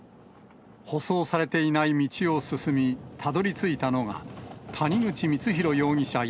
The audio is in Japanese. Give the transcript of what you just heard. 舗装されていない道を進み、たどりついたのが、谷口光弘容疑者